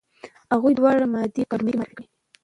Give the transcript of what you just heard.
هغوی دواړه مادې په اکاډمۍ کې معرفي کړې.